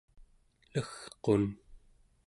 legqun